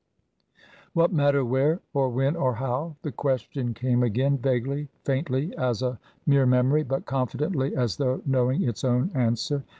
What matter where, or when, or how? The question came again, vaguely, faintly as a mere memory, but confidently as though knowing its own answer.